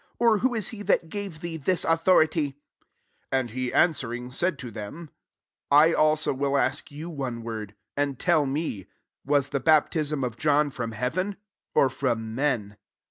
or who is he that gave thee this authority ?" 3 And he an swering, said to them, «'I afso will ask you [one"] word; and tell me, 4 < Was the baptism of John from heaven*, or from men